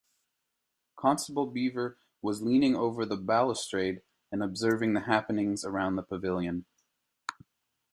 Constable Beaver was leaning over the balustrade and observing the happenings around the pavilion.